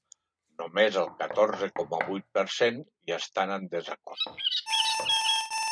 Només el catorze coma vuit per cent hi estan en desacord.